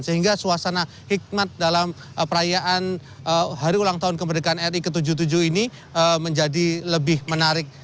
sehingga suasana hikmat dalam perayaan hari ulang tahun kemerdekaan ri ke tujuh puluh tujuh ini menjadi lebih menarik